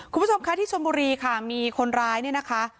คุณผู้ชมคะที่ชนบุรีค่ะมีคนร้ายเนี่ยนะคะ